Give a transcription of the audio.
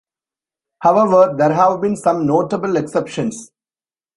However, there have been some notable exceptions.